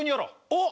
おっ！